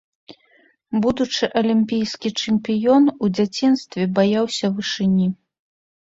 Будучы алімпійскі чэмпіён у дзяцінстве баяўся вышыні.